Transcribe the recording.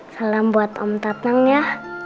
salam buat om tatang ya